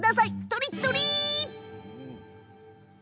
とりっとり！